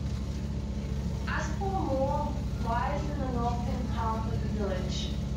Aspull Moor lies in the northern half of the village.